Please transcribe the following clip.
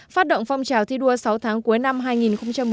phát động phong trào thi đua sáu tháng cuối năm hai nghìn một mươi chín